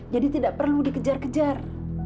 jadi tidak perlu dikejar kejar